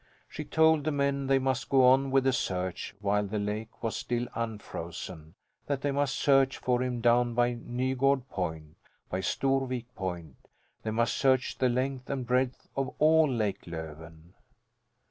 She told the men they must go on with the search while the lake was still unfrozen, that they must search for him down by Nygard Point; by Storvik Point they must search the length and breadth of all Lake Löven.